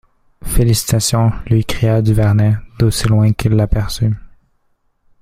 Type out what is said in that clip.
Félicitations, lui cria Duvernet d'aussi loin qu'il l'aperçut.